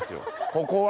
ここは！